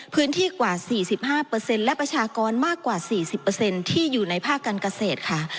พื้นที่กว่า๔๕และประชากรมากกว่า๔๐ที่อยู่ในภาคการเกษตรค่ะ